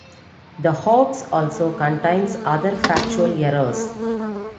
The hoax also contains other factual errors.